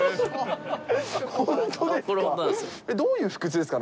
本当ですか？